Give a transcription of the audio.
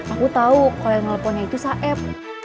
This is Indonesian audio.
aku tau kalau yang teleponnya itu saeb